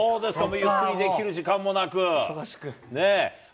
ゆっくりできる時間もなくね。